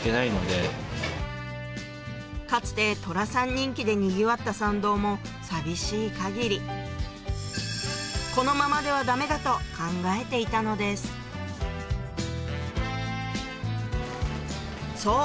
人気でにぎわった参道も寂しい限りこのままではダメだと考えていたのですそう